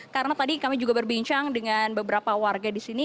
karena tadi kami juga berbincang dengan beberapa warga di sini